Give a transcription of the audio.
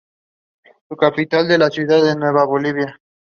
Su capital es la ciudad de Nueva Bolivia.